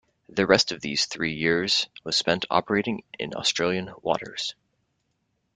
The rest of these three years was spent operating in Australian waters.